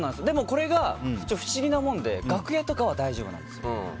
でも、これが不思議なもので楽屋とかは大丈夫なんです。